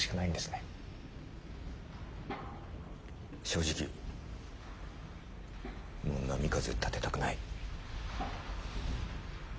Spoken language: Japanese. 正直もう波風立てたくない。